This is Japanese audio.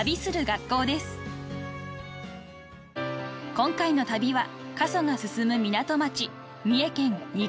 ［今回の旅は過疎が進む港町］